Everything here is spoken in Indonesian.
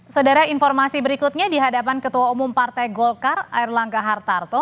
saudara informasi berikutnya di hadapan ketua umum partai golkar air langga hartarto